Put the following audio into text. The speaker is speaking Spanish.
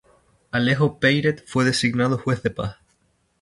Alejo Peyret fue designado juez de paz.